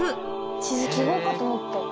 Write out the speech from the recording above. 地図記号かと思った。